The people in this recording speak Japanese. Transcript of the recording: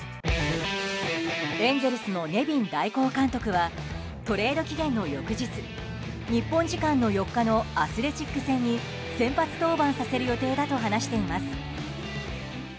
エンゼルスのネビン代行監督はトレード期限の翌日日本時間の４日のアスレチックス戦に先発登板させる予定だと話しています。